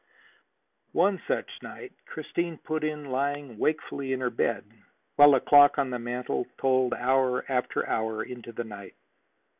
One such night Christine put in, lying wakefully in her bed, while the clock on the mantel tolled hour after hour into the night.